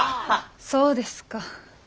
そうですか。